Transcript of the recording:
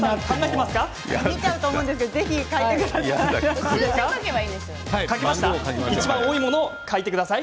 見ちゃうと思いますがぜひ書いてください。